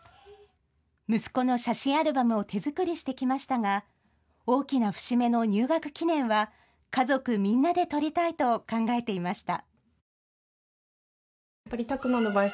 息子の写真アルバムを手作りしてきましたが大きな節目の入学記念は家族みんなで撮りたいと考えていました。